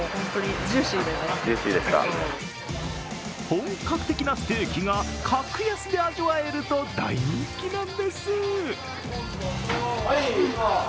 本格的なステーキが格安で味わえると大人気なんです。